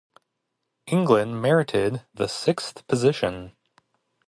England merited the sixth position.